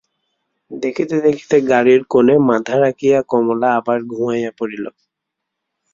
দেখিতে দেখিতে গাড়ির কোণে মাথা রাখিয়া কমলা আবার ঘুমাইয়া পড়িল।